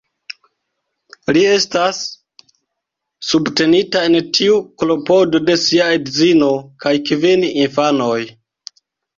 Li estas subtenita en tiu klopodo de sia edzino kaj kvin infanoj.